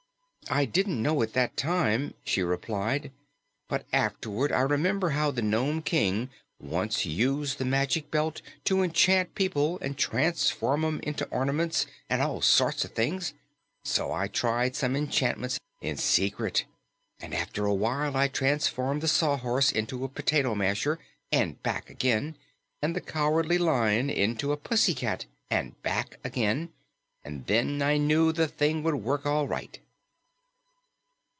"I didn't know at that time," she replied, "but afterward I remembered how the Nome King once used the Magic Belt to enchant people and transform 'em into ornaments and all sorts of things, so I tried some enchantments in secret, and after a while I transformed the Sawhorse into a potato masher and back again, and the Cowardly Lion into a pussycat and back again, and then I knew the thing would work all right."